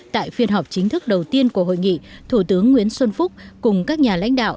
tại phiên họp chính thức đầu tiên của hội nghị thủ tướng nguyễn xuân phúc cùng các nhà lãnh đạo